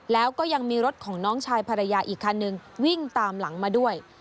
แล้วก็ยังมีรถของน้องชายภรรยาอีกคันนึงวิ่งตามหลังมาด้วย